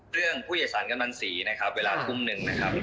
เรื่องผู้โดยสารกำลังสีนะครับเวลาทุ่มหนึ่งนะครับ